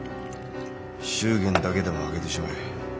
祝言だけでも挙げてしまえ。